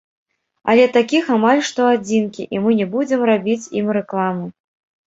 Але такіх амаль што адзінкі, і мы не будзем рабіць ім рэкламу.